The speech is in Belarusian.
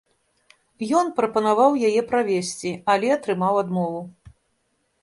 Ён прапанаваў яе правесці, але атрымаў адмову.